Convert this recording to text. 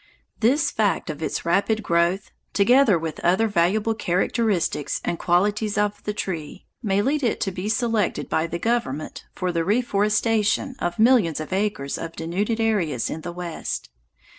This fact of its rapid growth, together with other valuable characteristics and qualities of the tree, may lead it to be selected by the government for the reforestation of millions of acres of denuded areas in the West.